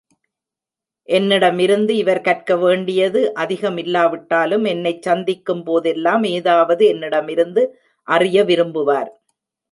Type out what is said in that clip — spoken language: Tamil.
என்னிடமிருந்து இவர் கற்க வேண்டியது அதிகமில்லாவிட்டாலும், என்னைச் சந்திக்கும் போதெல்லாம், ஏதாவது என்னிடமிருந்து அறிய விரும்புவார்.